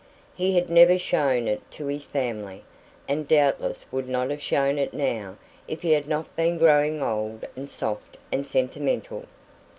He had never shown it to his family, and doubtless would not have shown it now if he had not been growing old and soft and sentimental.